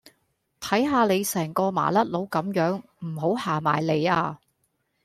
睇下你，成個麻甩佬甘樣，唔好行埋黎呀